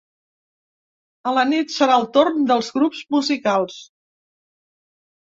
A la nit serà el torn dels grups musicals.